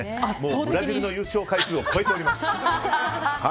ブラジルの優勝回数を超えております。